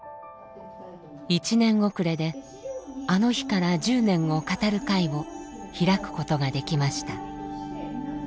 １年遅れで「あの日から１０年」を語る会を開くことができました。